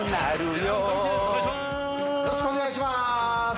よろしくお願いします。